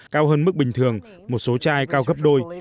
cao hơn mức bình thường một số chai cao gấp đôi